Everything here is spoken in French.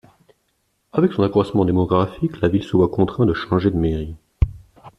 Avec son accroissement démographique, la Ville se voit contrainte de changer de mairie.